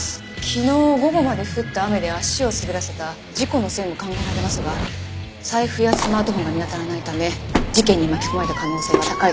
昨日午後まで降った雨で足を滑らせた事故の線も考えられますが財布やスマートフォンが見当たらないため事件に巻き込まれた可能性は高いと見られます。